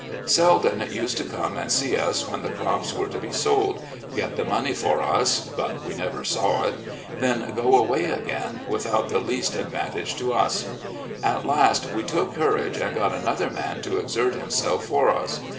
Seldon used to come and see us when the crops were to be sold, get the money for us (but we never saw it), then go away again, without the least advan tage to us. At last, we took courage, and got another man to exert himself for us.